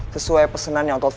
sesuai pesenan yang telfon tadi